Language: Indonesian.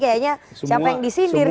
kayaknya siapa yang disindir